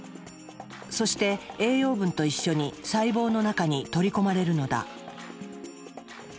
そして栄養分と一緒に細胞の中に取り込まれるのだ。